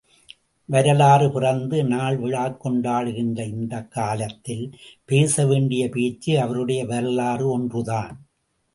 வரலாறு பிறந்த நாள் விழாக் கொண்டாடுகின்ற இந்தக் காலத்தில், பேசவேண்டிய பேச்சு அவருடைய வரலாறு ஒன்றுதான்.